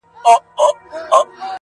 خو اوس دي گراني دا درسونه سخت كړل